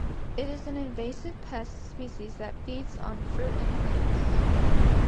It is an invasive pest species that feeds on fruit and plants.